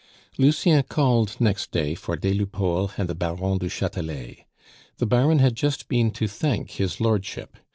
He called next day for des Lupeaulx and the Baron du Chatelet. The Baron had just been to thank his lordship.